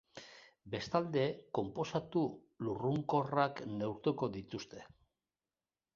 Bestalde, konposatu lurrunkorrak neurtuko dituzte.